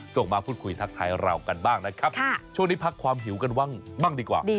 มาพูดคุยทักทายเรากันบ้างนะครับช่วงนี้พักความหิวกันบ้างดีกว่า